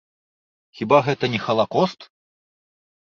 Хіба гэта не халакост?